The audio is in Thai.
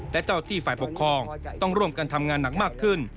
และเจ้าที่ฝ่ายปกครองต้องร่วมกันทำงานหนักมากขึ้น